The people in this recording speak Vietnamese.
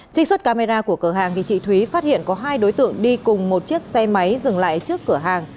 trích xuất camera của cửa hàng chị thúy phát hiện có hai đối tượng đi cùng một chiếc xe máy dừng lại trước cửa hàng